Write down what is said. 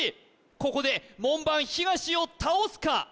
ここで門番東を倒すか？